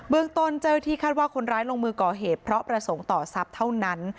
เมืองต้นเจ้าที่คาดว่าคนร้ายลงมือก่อเหตุเพราะประสงค์ต่อทรัพย์เท่านั้น